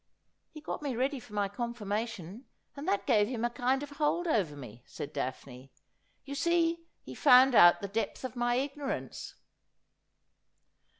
' He got me ready for my confirmation, and that gave him a kind of hold over me,' said Daphne. ' You see, he found out the depth of my ignorance.'